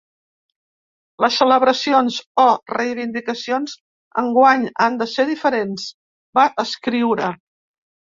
Les celebracions o reivindicacions enguany han de ser diferents, va escriure.